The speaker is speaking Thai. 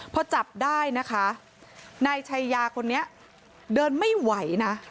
พอจับได้นะคะนายชัยยาคนนี้เดินไม่ไหวนะ